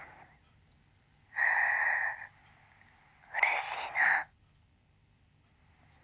うれしいな。